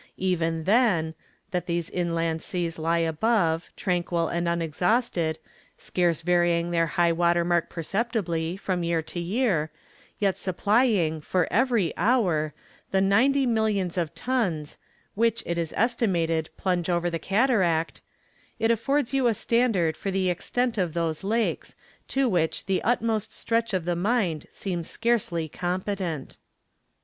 Even then,—that these inland seas lie above, tranquil and unexhausted, scarce varying their high water mark perceptibly, from year to year, yet supplying, for every hour, the "ninety millions of tons," which, it is estimated, plunge over the cataract,—it affords you a standard for the extent of those lakes, to which the utmost stretch of the mind seems scarcely competent.